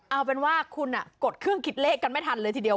เอาเป็นว่าคุณกดเครื่องคิดเลขกันไม่ทันเลยทีเดียว